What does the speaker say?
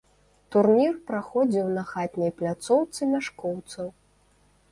Турнір праходзіў на хатняй пляцоўцы мяшкоўцаў.